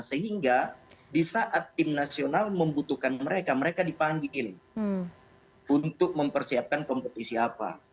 sehingga di saat tim nasional membutuhkan mereka mereka dipanggil untuk mempersiapkan kompetisi apa